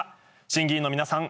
審議員の皆さん